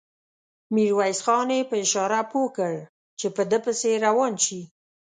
ميرويس خان يې په اشاره پوه کړ چې په ده پسې روان شي.